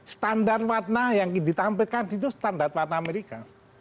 standar warna yang ditampilkan itu standar warna amerika